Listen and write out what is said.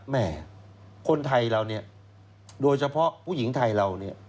แม่คนไทยเราเนี่ยโดยเฉพาะผู้หญิงไทยเราเนี่ย